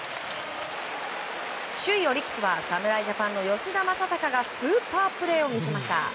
首位オリックスは侍ジャパンの吉田正尚がスーパープレーを見せました。